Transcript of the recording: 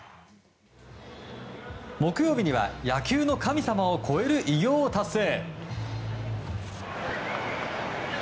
木曜日には野球の神様を超える偉業を達成。